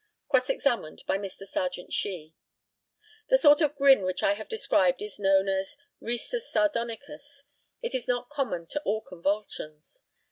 Cross examined by Mr. Serjeant SHEE: The sort of grin which I have described is known as risus sardonicus. It is not common to all convulsions.